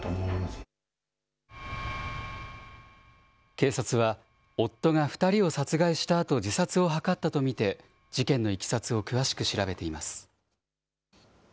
警察は、夫が２人を殺害したあと、自殺を図ったと見て、事件のいきさつを詳しく調べています。